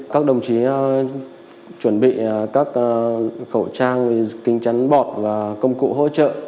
các đồng chí chuẩn bị các khẩu trang kính chắn bọt và công cụ hỗ trợ